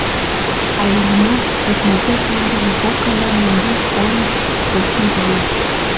А Иллимар кочмыпӧрт ончылно кок гана мӧҥгеш-оньыш коштын тольо.